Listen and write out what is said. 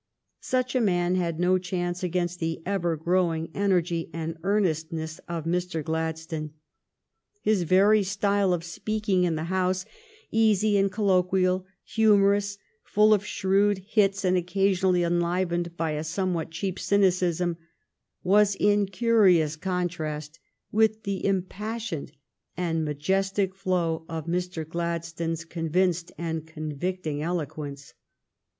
Such a man had no chance against the ever grow ing energy and earnestness of Mr. Gladstone. His very style of speaking in the House, easy and col loquial, humorous, full of shrewd hits, and occa sionally enlivened by a somewhat cheap cynicism, was in curious contrast with the impassioned and majestic flow of Mr. Gladstones convinced and convicting eloquence.